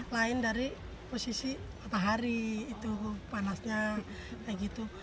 lain dari posisi matahari itu panasnya kayak gitu